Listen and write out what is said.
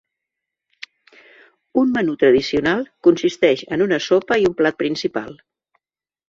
Un menú tradicional consisteix en una sopa i un plat principal.